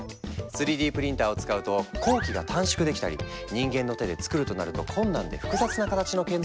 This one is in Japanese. ３Ｄプリンターを使うと工期が短縮できたり人間の手でつくるとなると困難で複雑な形の建造物ができたりするんだ。